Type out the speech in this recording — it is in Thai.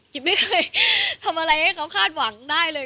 ไม่เคยทำอะไรให้เขาคาดหวังได้เลย